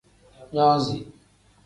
Nozi.